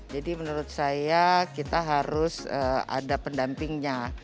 jadi menurut saya kita harus ada pendampingnya